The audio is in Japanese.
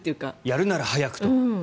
やるなら早くと。